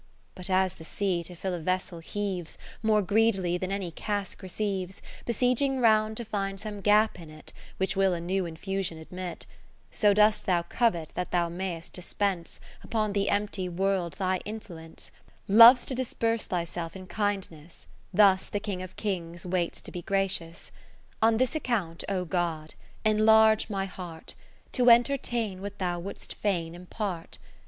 But as the sea to fill a vessel heaves, More greedily than any cask re ceives, 30 Besieging round to find some gap in it, Which will a new infusion admit : So dost Thou covet that Thou mayst dispense Upon the empty World Thy influence ; Lov'st to disburse Thyself in kindness : Thus The King of Kings waits to be gracious. On this account, O God, enlarge my heart To entertain what Thou wouldst fain impart.